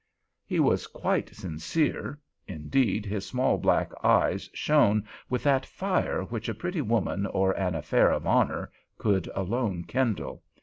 He was quite sincere; indeed, his small black eyes shone with that fire which a pretty woman or an "affair of honor" could alone kindle.